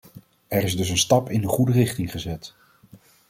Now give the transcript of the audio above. Er is dus een stap in de goede richting gezet.